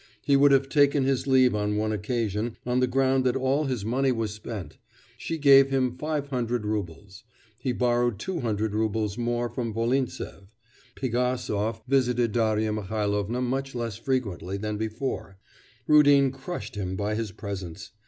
He would have taken his leave on one occasion, on the ground that all his money was spent; she gave him five hundred roubles. He borrowed two hundred roubles more from Volintsev. Pigasov visited Darya Mihailovna much less frequently than before; Rudin crushed him by his presence.